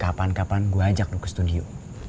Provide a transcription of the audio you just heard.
kapan kapan gua ajak lu ke studio